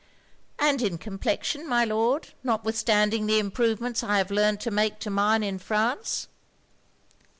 'And in complexion, my Lord, notwithstanding the improvements I have learned to make to mine in France.'